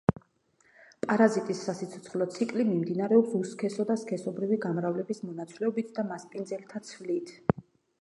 პარაზიტის სასიცოცხლო ციკლი მიმდინარეობს უსქესო და სქესობრივი გამრავლების მონაცვლეობით და მასპინძელთა ცვლით.